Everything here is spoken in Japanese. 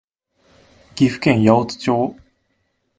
岐阜県八百津町